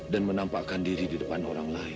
dan menampakkan diri di depan orang lain